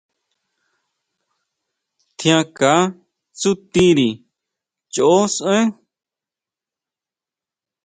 Tjiánka tsutiri choʼo sʼaen.